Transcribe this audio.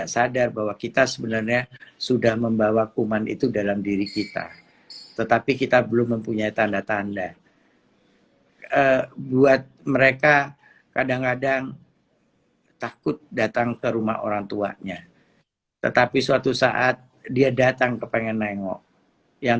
saya cuma berbicara kadang kadang masih ada orang yang